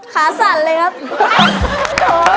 สั่นเลยครับ